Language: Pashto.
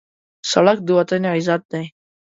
سړک د وطن عزت دی.